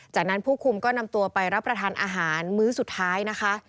จากนั้นผู้คุมก็นำตัวไปรับประทานอาหารมื้อสุดท้ายนะคะ